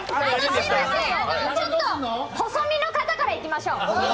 すいません、ちょっと細身の方からいきましょう。